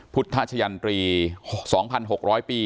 พุทธชะยันตรี๒๖๐๐ปี